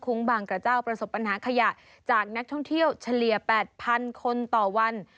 บางกระเจ้าประสบปัญหาขยะจากนักท่องเที่ยวเฉลี่ย๘๐๐๐คนต่อวัน